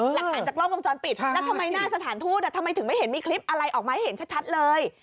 หลักฐานจากกล้องวงจรปิดแล้วทำไมหน้าสถานทูตทำไมถึงไม่เห็นมีคลิปอะไรออกมาให้เห็นชัดเลย